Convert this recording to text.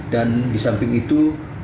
dan di samping itu